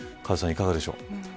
いかがでしょう。